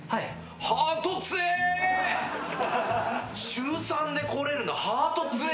週３で来れるのハート強え。